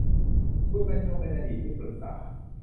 คุณบรรยงเป็นอดีตที่ปรึกษา